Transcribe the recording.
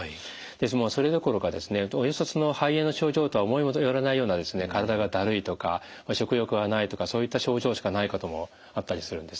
それどころかおよそ肺炎の症状とは思いも寄らないような体がだるいとか食欲がないとかそういった症状しかないこともあったりするんです。